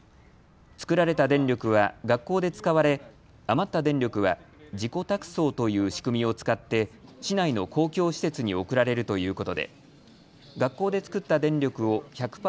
作られた電力は学校で使われ余った電力は自己託送という仕組みを使って市内の公共施設に送られるということで学校で作った電力を１００％